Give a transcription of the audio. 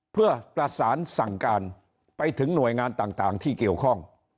เพื่อประสานสั่งการไปถึงหน่วยงานต่างที่เกี่ยวข้อง